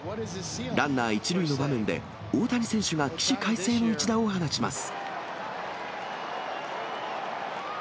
ランナー１塁の場面で、大谷選手が起死回生の一打を放ちます。